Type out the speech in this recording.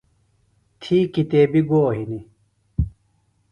تھی کِتیبیۡ گو ہِنیۡ؟